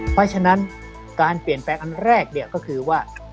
เพราะฉะนั้นการเปลี่ยนแปลงอันแรกเนี่ยก็คือว่า